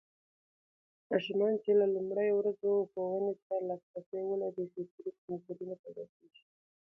ماشومان چې له لومړيو ورځو ښوونې ته لاسرسی ولري، فکري کمزوري نه پيدا کېږي.